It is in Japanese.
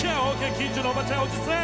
近所のおばちゃんおじさん